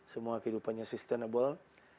semua kehidupannya sustainable